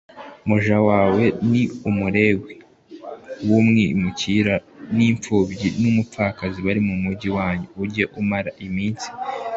muja wawe n Umulewi n umwimukira n imfubyi n umupfakazi bari mu mugi wanyu Ujye umara iminsi